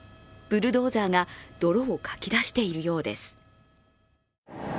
ブルドーザーが泥をかき出しているようです。